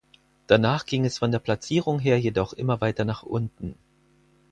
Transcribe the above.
Danach ging es von der Platzierung her jedoch immer weiter nach unten.